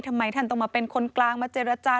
ทำไมท่านต้องมาเป็นคนกลางมาเจรจา